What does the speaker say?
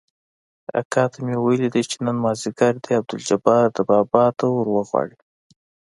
اکا ته مې ويلي دي چې نن مازديګر دې عبدالجبار ده بابا ته وروغواړي.